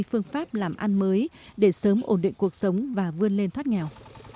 phương pháp làm ăn mới để sớm ổn định cuộc sống và vươn lên thoát nghèo